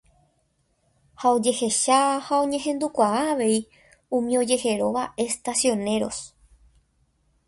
ha ojehecha ha oñehendukuaa avei umi ojeheróva Estacioneros